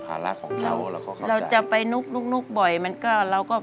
แม่กินอะไร